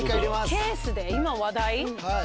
ケースで今話題？